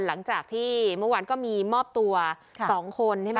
หลังจากที่เมื่อวันก็มีมอบตัว๒คน